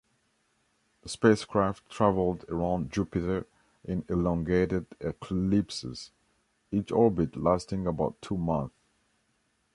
The spacecraft traveled around Jupiter in elongated ellipses, each orbit lasting about two months.